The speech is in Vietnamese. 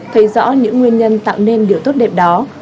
thấy rõ những nguyên nhân tạo nên điều tốt đẹp đó